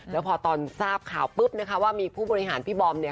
แล้วพอตอนทราบข่าวปุ๊บนะคะว่ามีผู้บริหารพี่บอมเนี่ย